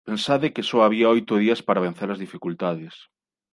Pensade que só había oito días para vence-las dificultades.